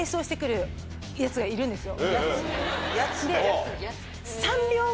ヤツがいるんですよ。